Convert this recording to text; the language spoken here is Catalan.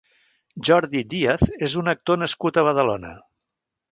Jordi Díaz és un actor nascut a Badalona.